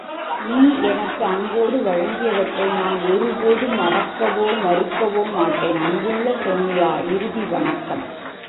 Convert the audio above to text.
நீ எனக்கு அன்போடு வழங்கியவற்றை நான் ஒரு போதும் மறக்கவோ, மறுக்கவோ மாட்டேன். அன்புள்ள சோன்யா, இறுதி வணக்கம்.